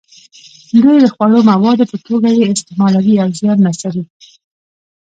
دوی د خوړو موادو په توګه یې استعمالوي او زیان رسوي.